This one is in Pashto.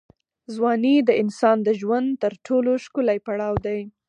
ځواني د انسان د ژوند تر ټولو ښکلی پړاو دی.